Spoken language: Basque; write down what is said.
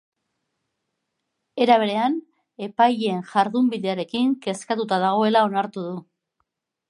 Era berean, epaileen jardunbidearekin kezkatuta dagoela onartu du.